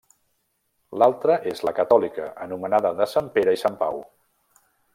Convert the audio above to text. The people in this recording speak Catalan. L'altra és la catòlica, anomenada de Sant Pere i Sant Pau.